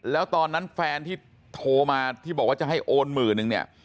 แล้วตอนนั้นแฟนที่โทรมาที่บอกว่าจะให้โอนหมื่นนึงเนี่ย